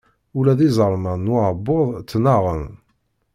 Ula d iẓerman n uɛebbuḍ ttnaɣen.